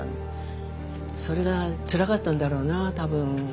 それがつらかったんだろうな多分。